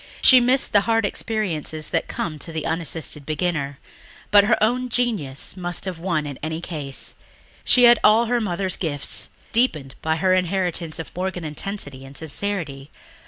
She missed the hard experiences that come to the unassisted beginner. But her own genius must have won in any case. She had all her mother's gifts, deepened by her inheritance of Morgan intensity and sincerity